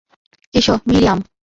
এসো, মিরিয়াম।